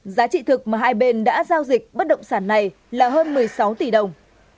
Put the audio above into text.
giá trị thực mà hai bên đã giao dịch bất động sản này là hơn một mươi sáu tỷ đồng